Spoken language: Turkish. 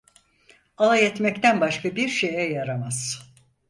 Alay etmekten başka bir şeye yaramaz…